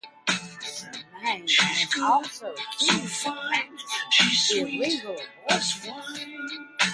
Germain is also accused of practicing illegal abortions.